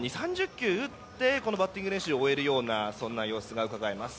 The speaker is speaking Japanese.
球を打ってバッティング練習を終えるような様子がうかがえます。